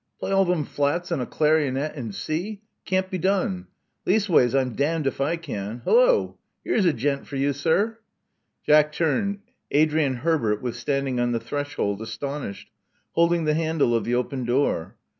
Play all them flats on a clarionet in C! It can't be done. Leastways I'm damn'd if I can — Hello ! 'Ere's a gent for you, sir. " Jack turned. Adrian Herbert was standing on the threshold, astonished, holding the handle of the open door.